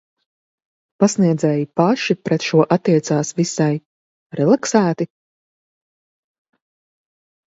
Pasniedzēji paši pret šo attiecās visai... relaksēti?